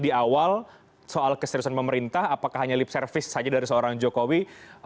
di awal soal keseriusan pemerintah apakah hanya lip service saja dari seorang jokowi